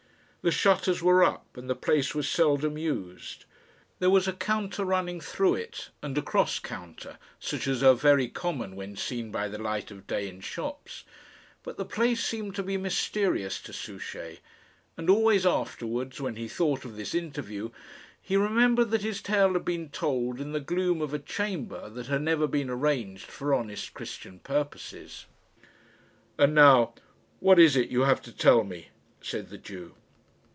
The shutters were up, and the place was seldom used. There was a counter running through it, and a cross counter, such as are very common when seen by the light of day in shops; but the place seemed to be mysterious to Souchey; and always afterwards, when he thought of this interview, he remembered that his tale had been told in the gloom of a chamber that had never been arranged for honest Christian purposes. "And now, what is it you have to tell me?" said the Jew.